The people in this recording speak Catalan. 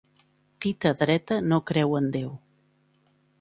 Tita dreta no creu en Déu.